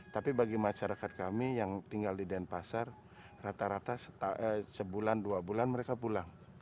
tapi bagi masyarakat kami yang tinggal di denpasar rata rata sebulan dua bulan mereka pulang